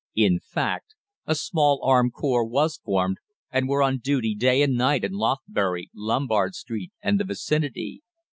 In fact, a small armed corps was formed, and were on duty day and night in Lothbury, Lombard Street, and the vicinity.